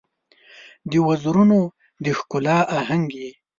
د وزرونو د ښکالو آهنګ یې